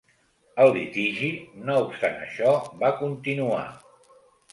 El litigi, no obstant això, va continuar.